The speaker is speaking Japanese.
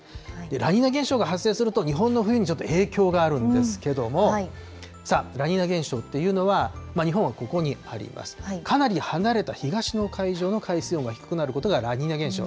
ラニーニャ現象が発生すると、日本の冬にちょっと影響があるんですけども、ラニーニャ現象というのは、日本はここにあります、かなり離れた東の海上の海水温が低くなることがラニーニャ現象。